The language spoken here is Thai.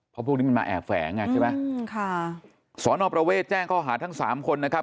เพราะพวกนี้มันมาแอบแฝงอ่ะใช่ไหมสอนอประเวทแจ้งข้อหาทั้งสามคนนะครับ